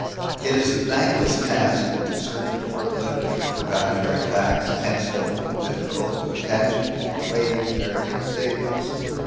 It is a thankless task to search polar literature for dietary facts and still more difficult to attach due weight to varying statements.